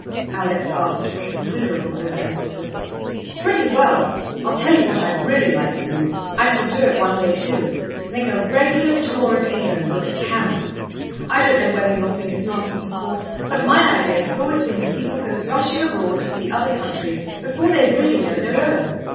Alex asked, with considerable over emphasis. "Pretty well. I tell you what I'd really like to do I shall do it one day, too make a regular tour of England, with a camera. I don't know whether you'll think it's nonsense, of course, but my idea has always been that people go rushing abroad to see other countries before they really know their own.